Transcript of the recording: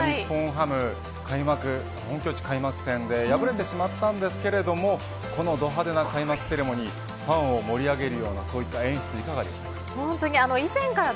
日本ハム、開幕本拠地開幕戦で敗れてしまったんですがこの度派手な開幕セレモニーファンを盛り上げるような演出いかがでしたか。